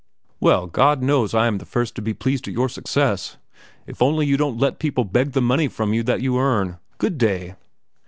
"Well, God knows I am the first to be pleased at your success. If only you don't let people beg the money from you that you earn. Good day!"